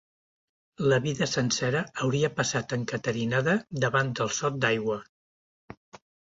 La vida sencera hauria passat encaterinada davant del sot d'aigua